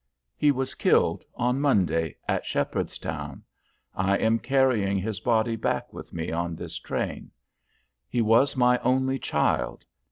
"He was killed on Monday, at Shepherdstown. I am carrying his body back with me on this train. He was my only child.